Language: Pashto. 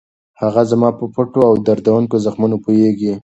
هغه زما په پټو او دردوونکو زخمونو پوهېږي.